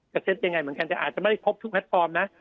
เซ็ตยังไงเหมือนกันแต่อาจจะไม่ได้ครบทุกแพลตฟอร์มนะ